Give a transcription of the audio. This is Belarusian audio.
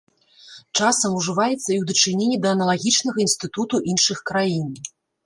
Часам ўжываецца і ў дачыненні да аналагічнага інстытуту іншых краін.